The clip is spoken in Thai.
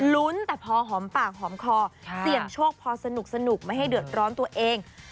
แต่พอหอมปากหอมคอเสี่ยงโชคพอสนุกไม่ให้เดือดร้อนตัวเอง